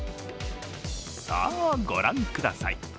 さあ、ご覧ください！